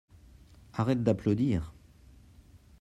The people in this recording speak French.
arrête d'applaudir.